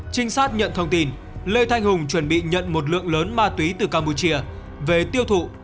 trinh sát nhận thông tin lê thanh hùng chuẩn bị nhận một lượng lớn ma túy từ campuchia về tiêu thụ